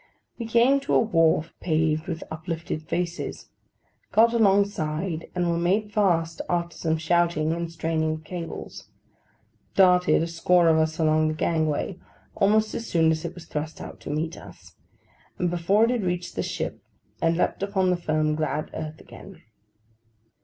We came to a wharf, paved with uplifted faces; got alongside, and were made fast, after some shouting and straining of cables; darted, a score of us along the gangway, almost as soon as it was thrust out to meet us, and before it had reached the ship—and leaped upon the firm glad earth again!